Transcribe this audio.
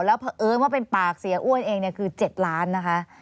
แล้วเผอิญว่าเป็นปากเสียอ้วนเองคือ๗ล้านนะคะ